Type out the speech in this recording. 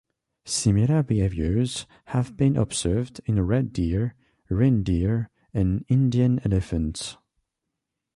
Similar behaviors have been observed in red deer, reindeer, and Indian elephants.